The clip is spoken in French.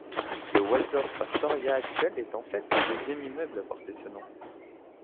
Le Waldorf-Astoria actuel est en fait le deuxième immeuble à porter ce nom.